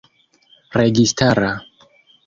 registara